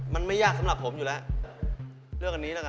มันไม่ยากสำหรับผมอยู่แล้วเรื่องอันนี้แล้วไง